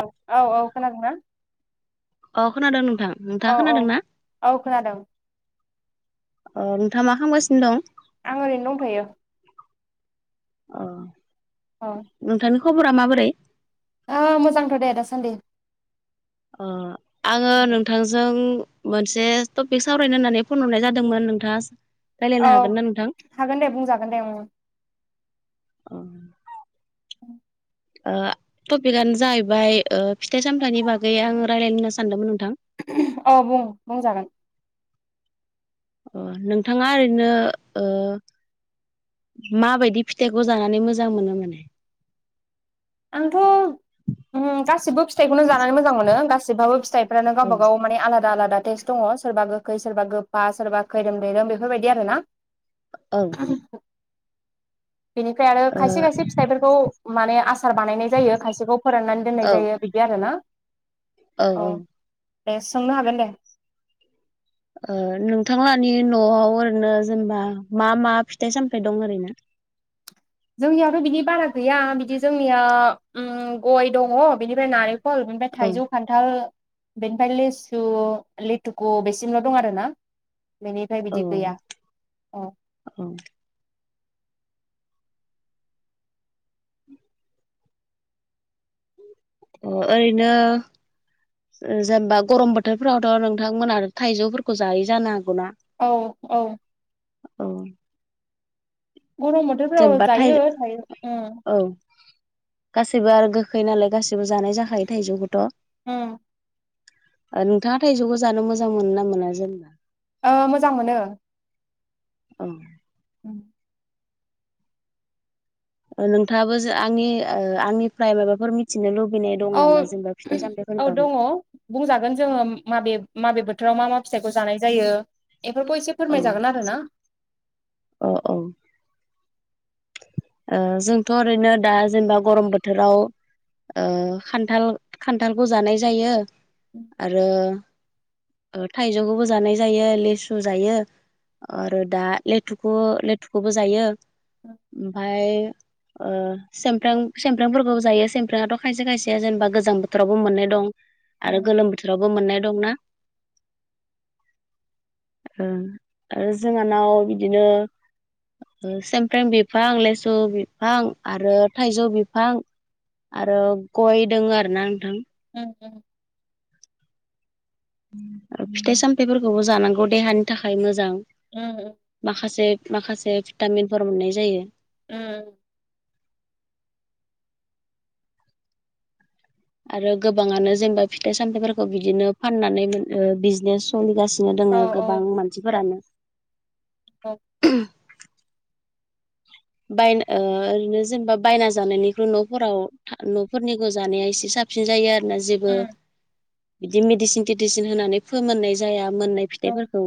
औ औ औ खोनादों ना? अ खोनादों नोंथां नोंथाङा खोनादों ना? औ खोनादों ओ नोंथाङा मा खामगासिनो दं? आं ओरैनो दं थ'यो। अ औ नोंथांनि खबरा माबोरै? ओ मोजांथ' दे दासान्दि। अ आङो नोंथांजों मोनसे टपिक सावरायनो होननानै फन हरनाय जादोंमोन नोंथाङा औ राय्लायनो हागोन ना नोंथां? हागोन दे बुंजागोन दे ओं औ। ओ टपिकआनो जाहैबाय ओ फिथाइ सामथाइनि बागै आं रायज्लानो होननानै सानदोंमोन नोंथां। औ बुं बुंजागोन। अ नोंथाङा ओरैनो ओ माबायदि फिथाइखौ जानानै मोजां मोनो माने? आंथ' उम गासिबो फिथाइखौनो जानानै मोजां मोनो गासिबाबो फिथाइफ्रानो औ गावबा गाव माने आलादा आलादा टेस् दङ सोरबा गोखै सोरबा गोफा सोरबा खैरोम दैैरोम बेफोरबायदि आरो ना। ओं बेनिफ्राय आरो खायसे खायसे फिथाइफोरखौ माने आस सार बानायनाय जायो खायसेखौ फोराननानै औ दोननाय जायो बिदि आरो ना। औ औ। दे सोंनो हागोन दे। ओ नोंथांलानि न'आव ओरैनो जेनेबा मा मा फिथाइ सामथाइ दं ओरैनो? जोंनियावथ' बिदि बारा गैया बिदि जोंनिया ओम गय दङ बिनिफ्राय नारें खल ओमफ्राय औ थाइजौ खान्थाल बेनिफ्राय लेसु लेटुखु बेसिमल' दं आरोना। बेनिफ्राय औ बिदि गैया औ। अ अ ओरैनो जेनेबा गरम बोथोरफोरावथ' नोंथांमोना थाइजौफोरखौ जायो जानांगौ। औ औ। औ। गरम बोथोरफ्राव जेनेबा थाइ जायो थायो। औ गासैबो आरो गोखै नालाय गासैबो जानाय जाखायो थाइजौखौथ' उम नोंथाङा थाइजौखौ जानो मोजां मोनो ना मोना जेनेबा? मोजां मोनो। औ। उम। नोंथाङाबो आंनि आंनिफ्राय माबाफोर मिथिनो लुबैयो। औ- औ दङ बुंजागोन जोङो माबे माबे बोथोराव मा मा फिथाइखौ जानाय जायो बेफोरखौ एसे औ फोरमायजागोन आरो ना? औ औ ओ जोंथ' ओरैनो दा जेनेबा गरम बोथोराव खान्थाल- खान्थालखौ जानाय जायो उम आरो थाइजौखौबो जानाय जायो लेसु जायो आरो दा लेथुखौ -लेथुखौबो जायो ओमफाय ओ सेमफ्राम फोरखौबो जायो सेमफ्राम आथ' खायसे- खायसे जेनेबा गोजां बोथोरावबो मोननाय दं। आरो उम गोलोम बोथोरावबो मोननाय दंना? आरो जोंहानाव बिदिनो सेमफ्रें बिफां, लेसु बिफां, आरो थाइजौ बिफां आरो गय दोङ आरो ना नोंथां। ओं ओं। फिथाइ सामथाइ फोरखौबो जानांगौ देहानि थाखाय मोजां। उम उम माखासे माखासे भिटामिनफोर मोननाय जायो। ओ आरो गोबाङानो जेनेबा फिथाइ सामथायाइफोरखौ बिदिनो फाननानै बिजनेस सोलिगासिनो नो औ दोङो औ गोबां औ मानसिफोरानो। बायना ओरैनो जेनेबा बायना जानायनिख्रु न'फोराव न'फोरनिखौ जानाया एसे साब सिन जायो आरोना जेबो उम बिदिनो मेदिसिन थेदिसिन होनानै फोमोननाय जाया। मोननाय औ फिथाइफोरखौ।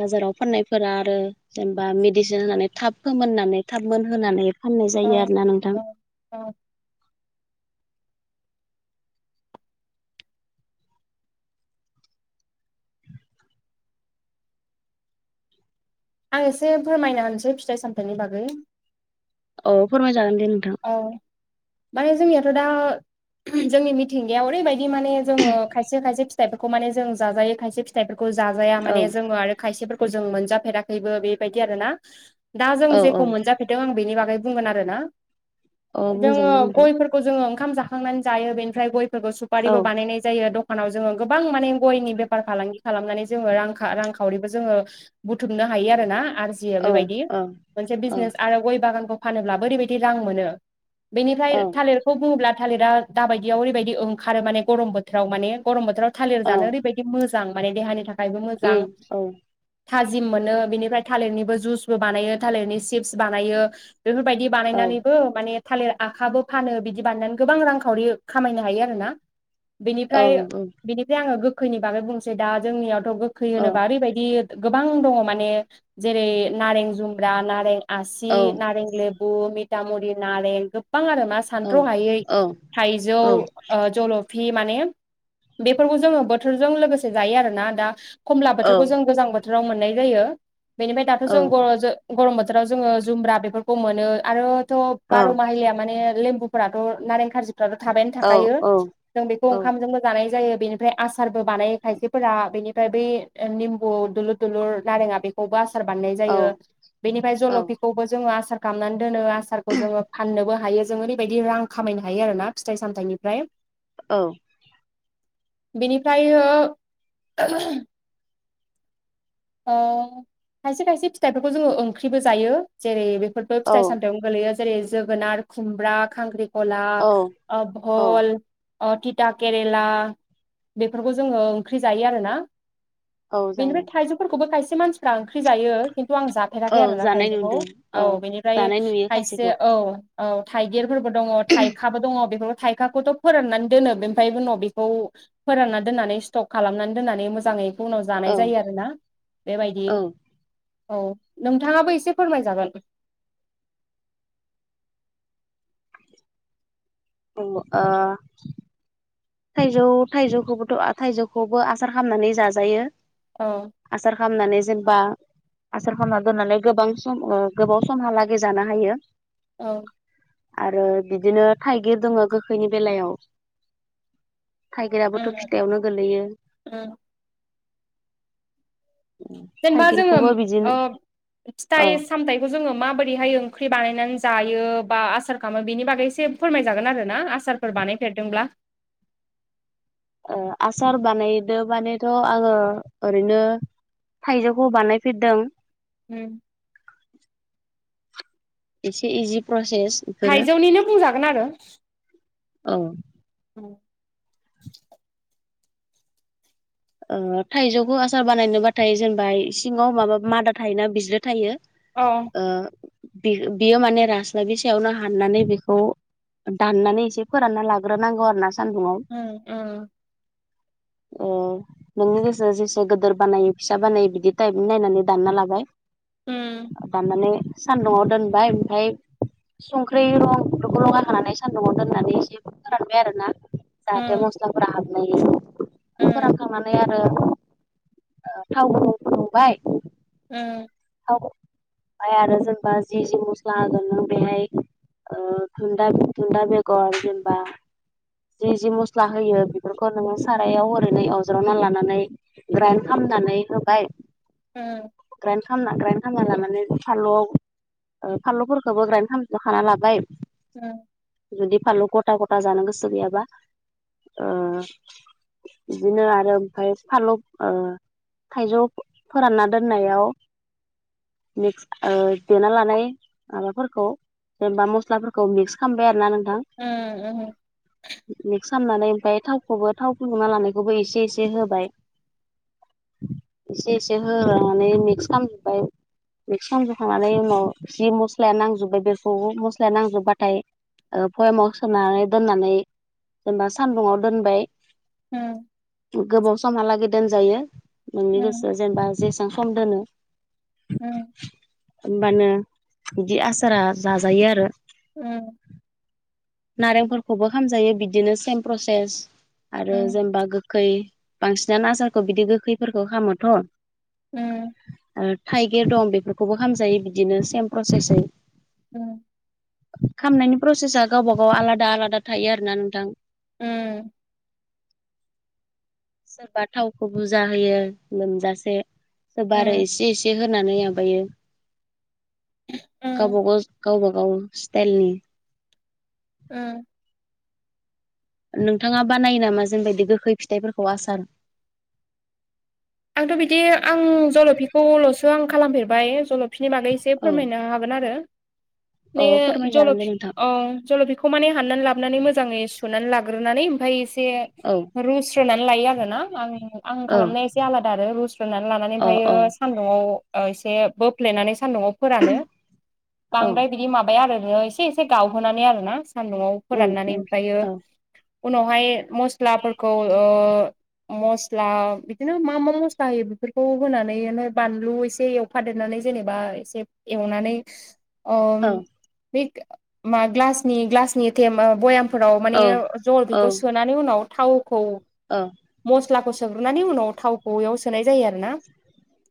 बाजाराव फाननायफोरा आरो जेनब बा मेडिसिन होनानै थाब फोमोननानै थाब मोनहोनानै फाननाय औ जायो आरोना नोंथां। औ औ आं एसे फोरमायना होनसै फिथाइ- सामथायाइनि बागै। औ फोरमायजागोन दे नोंथां। औ माने जोंनियाथ' दा जोंनि मिथिंगायाव ओरैबायदि माने जोङो खायसे खायसे फि थाइफोरखौ माने जों जाजायो खायसे फिथाइफोरखौ जाजाया औ माने जोङो आरो खायसेफोरखौ जों मोनजा फेराखैबो बेबायदि आरोना दा जों औ औ जेखौ मोनजाफेरदों आं बेनि बागै बुंगोन आरोना। औ जोङो बुंजागोन दे नोंथां गयफोरखौ जोङो ओं खाम जाखांनानै जायो बेनिफ्राय गयफोरखौ औ सुपारिबो बानायनाय जायो द खानाव जोङो गोबां माने गयनि बेफार फालांगि खालामनानै जोङो रां- रांखावरिबो जोङो बुथुमनो हा हायो आरो ना। आरजियो औ बेबायदि औ मोनसे औ बिजनेस आरो गय बागानखौ फानोब्लाबो ओरैबायदि रां मोनो। बेनिफ्राय थालिरखौ बुड़ोब्ला थालिरा दाबायदियाव ओरैबायदि ओंखारो माने गरम बोथोराव मान गरम बोथोराव थालिर औ जानो ओरैबायदि मोजां मोजां माने देहानि थाखायबो मोजां उम औ थाजिम मोनो बेनिफ्राय थालिरनिबो जुइसबो बानायो थालिरनि चिप्स बानायो बेफोरबायदि औ बानायनानै माने थालिर आखाबो फानो बिदि बानायनानै गोबां रांखावरि खामायनो हायो आरोना। बेनिफ्राय बेनिफ्राय आङो गोखैनि बागै बुंसै दा जोंनियाव गोखै होनोबा बेबायदि गोबां दङ माने जेरै नारें जुमब्रा, नारें आसि नारें लेबु मिथामुरि नारें गोबां आरोना सानथ्र'हायै थाइजौ जलफि माने बेफोरखौ जोङो बोथोरजों लोगोसे जायो आरोना दा खमला बोथोरखौ जों गोजां बोथोर बोथाव मोननाय जायो बेनि दाथ' जों गोरम बो थोराव जोङो जुमब्रा बेफोरखौ मोनो आरोथ' बार' माहिलि माने लेम्बु फोराथ' नारें खार्जिफ्राथ' थाबायनो थाखायो जों बेखौ ओंखामजोंबो जानाय जायो बेनि आसा -सारबो बानाय खायसेफोरा बेनिफ्राय बै निम्बु दुलुर दुलुर नारेंआ बेखौबो आस बानायनाय जायो बेनिफ्राय जलफिखौबो जोड़ो आसार खालामनानै दोनो। आसारखौ जोङो फाननोबो हायो जोङो ओरैबायदि रां खामायनो हायो आरो ना फिथाइ सामथायाइनिफ्राय औ बिनिफ्रायो ओ खायसे खायसे फिथाइफोरखौ जोङो ओंख्रिबो जायो जेरै बे बेफोरबो फिथाइ सामथायावनो गोलैयो जेरै जोगोनार खुमब्रा खांख्रिंखला खला ओ भल ओ टिता केरेला बेफोरखौ जोङो ओंख्रि जायो आरो ना बेनिफ्राय जायो थाइजौफोरखौबो खायसे मानसिफ्रा ओंख्रि जायो। खिन्थु आं जाफेराखै आरो औ ना जानाय थाइजौखौ नुदों औ बेनिफ्रायाइ जानाय नुयो खायसे खायसेखौ औ औ थाइगिरफोरबो दङ' थाइखाबो दङ' बेफोरखौ थाइखाखौथ' फोराननानै दोनो बेमफ्राय उनाव बेखौ फोरानना दोननानै स्टक खालामनानै दोननानै मोजाङै उनाव जानाय औ जायो आरो ना बेबायदि औ औ नोंथाङाबो एसे फोरमायजागोन उम ओ थाइजौ थाइजौखौबोथ' थाइजौखौबो आसार खालामनानै जाजायो। औ आसार खालामनानै जेनेबा आसार खालामना दोननानै गोबां सम ओ गोबाव समहालागै जानो हायो औ आरो बिदिनो थाइगिर दङ' गोखैनि बेलायाव थाइगिराबोथ' फिथाइआवनो गोलैयो जेनेबा जोङो उम थाइगिरखौबो ओ बिदिनो औ फिथाइ सामथाइखौ जोङो माबोरै हाय ओंख्रि ओंख्रि बानायनानै जायो बा आसार खालामो बिनि बागै एसे फोरमायजागोन आरो ना आसारफोर बानायफेरदोंब्ला ओ आसार बानायदो मानेथ' आङो ओरैनो थाइजौखौ बानायफेरदों एसे इजि प्रसे थाइजौनिनो बुंजागोन आरो औ औ ओ थाइजौखौ आसार बानायनोबाथाय जेनेबा सिङाव माबा मादा थायोना बिज्रो थायो अ ओ बि बियो माने रास्लाबि सायावनो हाननानै बेखौ दाननानै एसे फोरानना लाग्रोनांगौ आरो ना उम उम अ नोंनि गोसो जेसे गोदोर बानायो फिसा बानायो बिदि टाइपनि नायनानै दानना लाबाय उम दाननानै सान्दुङाव दोनबाय ओमफ्राय संख्रि रं बेफोरखौ लगायखांनानै सान्दुंआव दोननानै एसे फोरानबाय आरो ना जाहाथे उम मस्लाफोरा हाबनो हायो उम फोराननाय फोराननाय आरो ओ थावखौ फुदुंबाय उम थाव ओमफ्राय आरो जेनेबा जि जि मस्ला होगोन नों बेहाय ओ थुन्दा थुन्दा बेगर जेनबा जि जि मस्ला होयो बेफोरखौ नोङो सारायाव ओरैनो एवज्रांना एवज्रांना लानानै ग्राइन्ड खालामनानै होबाय, [unintelligible] ग्राइन्ड खालामना ग्राइन्ड खालामना लानानै फानलुआव ओ फानलुफोरखौबो ग्राइन्ड खालामखाना लाबाय ओ जुदि फालु गथा गथा जानो गोसो गैयाबा ओ बिदिनो आरो ओमफ्राय फानलु ओ थाइजौ फोरानना दोननायाव, मिक्स देना लानाय माबाफोरखौ, जेनेबा मस्लाफोरखौ मिक्स खालामबाय आरो ना नों उम [unintelligible] मिक्स खालामनानै ओमफ्राय थावखौबो थाव फुदुंना लानायखौबो एसे एसे होबाय, एसे एसे होनानै मिक्स खालामजोबबाय, मिक्स खालामजोबखांनानै उनाव जि मस्लाया नांजोबबाय बेखौ मस्लाया नांजोबबाथाय, ओ बयेमाव सोनानै दोननानै जेनेबा सानदुङाव दोनबाय, उम गोबाव समहालागै दोनजायो नोंनि उम गोसोआ जेनेबा जेसां, सम दोनो, उम होमबानो बिदि आसारा जाजायो आरो औ नारेंफोरखौबो खालाम जायो बिदिनो सेम प्रसेस उम आरो उम जेनेबा, जे बांसिनानो आजारखौ बिदि गोखैफोरखौ खालामोथ' उम थाइगिर दं बेफोरखौबो खामजायो बिदिनो सेम प्रसेसै, उम खामनायनि प्रसेसा गावबा गाव आलादा आलादा थायो आरोना नोंथां, उम सोरबा थावखौ बुरजा होयो लोमजासे, सोरबा आरो उम एसे एसे होनानै माबायो उम गावबा गाव गावबा औ इस्थालनि ओम नोंथाङा बानायो नामा जेनबा इदि गोखै फिथाइफोरखौ आसार, आंथ' बिदि आं जल'फिखौल'सो आं खालामफेरबाय जलफ, फिनि बागै एसे औ फोरमायनो हागोन आरो औ माने फोरमायजागोन जलफ दे नोंथां औ जलफिखौ माने हाननानै लाबोनानै मोजाङै सुनानै लाब सुरुनानै ओमफाय एसे औ रुस्रोनानै लायो आरो ना आं खालामनाय, औ एसे आलादा आरो रुस्रोनानै लानानै अ ओमफायो अ सान्दुङाव एसे बोफ्लेनानै, सानदुंआव फोरानो औ बांद्राय बिदि माबाया आरो नोङो एसे एसे गावहोनानै आरोना? सान्दुंआव उम फोराननानै उम ओमफ्रायो, औ उनावहाय मस्लाफोरखौ ओ मस्ला बिदिनो मा मा मस्ला होयो बेफोरखौ होनानैनो बानलु एसे एवफादेरनानै जेनेबा एसे, एवनानै अ औ बे मा ग्लासनि ग्लासनि थेमा बयाम फोराव माने औ औ जलफिखौ सोनानै उनाव थावखौ औ मस्लाखौ सोग्रोनानै उनाव थावखौ एयाव सोनाय जायो आरोना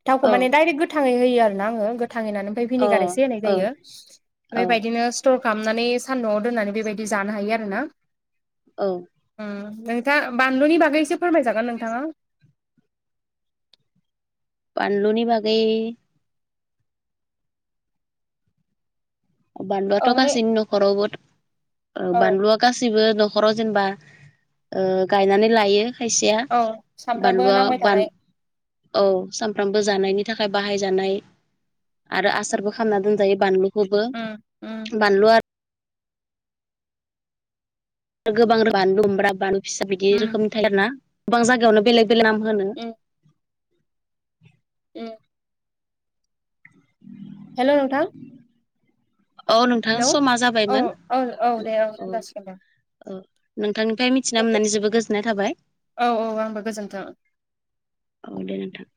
थावखौ माने डाइरेक गोथाङै होयो आरोना आङो, थाङै होनानै ओमफ्राय औ भिनिगार एसे होनाय जायो बे औ बेबायदिनो स्टर, खालामनानै सान्दुङाव दोननानै बेबायदि जानो हायो आरो ना औ ओम नोंथाङा बानलुनि बागै एसे फोरमायजागोन नोंथाङा, बानलुनि बागै बानलुआथ' औ माने गासिनि न'खरावबो औ बानलुआ गासिबो न'खराव जेनेबा गायनानै लायो। खायसेया सामफ्रामबो नांबाय बानलुआ थानाय औ सामफ्रामबो जानायनि थाखाय बाहायजानाय आरो आसारबो खालामना दोनजायो बानलुखौ उम उम बानलुआ आरो गोबां रोखोम बानलुु बमब्रा, बानलु फिसा बिदि उम रोखोमनि थायो आर ना गोबां जायगायावनो बेलेग बेले नाम होनो। उम औ हेलौ नोंथां। औ नोंथां हेल' समा औ जाबायमोन औ औ दे औ दोनजासिगोन दे। औ नोंथांनिफ्राय मिथिना मोननानै जोबोद गोजोननाय थाबाय। औ औ आंबो गोजोन्थों। अ दे नोंथां।